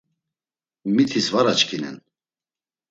Mitis var açkinen.